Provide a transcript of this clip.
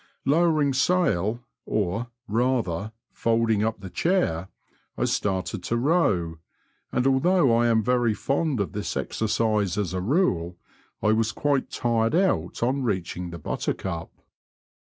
Lowering sail, or, rather, folding up the chair, I started to row, and although I am very fond of this exercise as a rule, I was quite tired out on reaching the Buttercup.